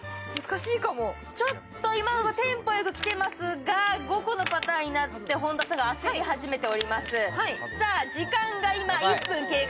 ちょっと今までテンポよく来ていますが、５個のパターンになって本田さんが焦り始めております。